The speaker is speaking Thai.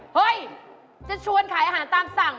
เฮ้ยจะชวนขายอาหารตามสั่ง